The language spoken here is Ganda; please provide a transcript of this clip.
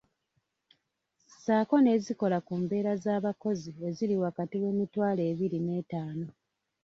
Sako n'ezikola ku mbeera z'abakozi eziri wakati wa emitwalo ebiri ne etaano.